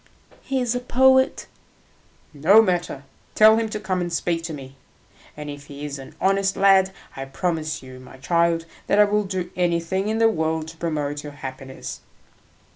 "He is a poet." "No matter; tell him to come and speak to me, and if he is an honest lad, I promise you, my child, that I will do anything in the world to promote your happiness."